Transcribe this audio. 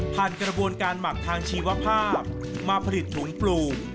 กระบวนการหมักทางชีวภาพมาผลิตถุงปลูก